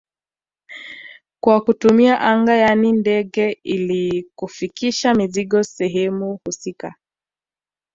Kwa kutumia anga yani ndege ili kufikisha mizigo sehemu husika